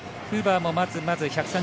フーバーもまずまず。